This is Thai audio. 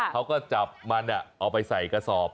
เขาก็จับมันเอาไปใส่กระสอบ